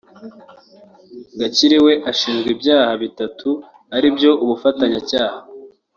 Gakire we ashinjwa ibyaha bitatu aribyo ubufatanyacyaha